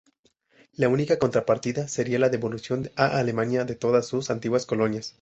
La única contrapartida sería la devolución a Alemania de todas sus antiguas colonias.